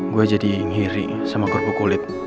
gue jadi ngiri sama kerupuk kulit